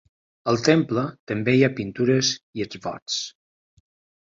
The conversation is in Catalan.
Al temple també hi ha pintures i exvots.